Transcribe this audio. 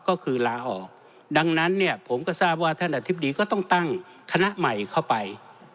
ก็คือลาออกดังนั้นเนี่ยผมก็ทราบว่าท่านอธิบดีก็ต้องตั้งคณะใหม่เข้าไป